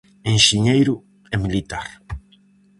Enxeñeiro e militar.